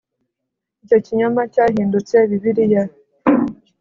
icyo kinyoma cyahindutse bibiliya